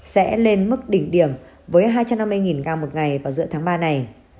sẽ lên mức đỉnh điểm với hai trăm năm mươi gram một ngày vào giữa tháng ba này